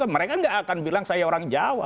mereka gak akan bilang saya orang jawa